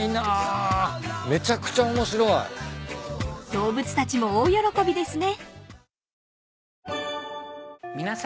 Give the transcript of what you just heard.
［動物たちも大喜びですね］